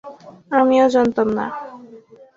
আমিও জানতাম না।